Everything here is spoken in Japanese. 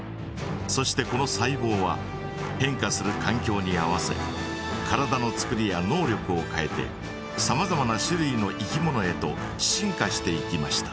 そしてこの細ぼうは変化するかん境に合わせ体の作りや能力を変えてさまざまな種類のいきものへと進化していきました。